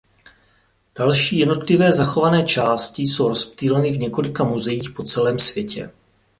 Další jednotlivé zachované části jsou rozptýleny v několika muzeích po celém světě.